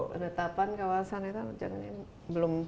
penetapan kawasan hutan jangan ini belum